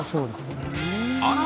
あら